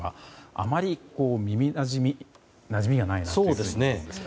あまり耳なじみがないと思いますが。